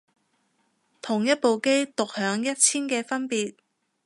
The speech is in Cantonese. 同一部機獨享一千嘅分別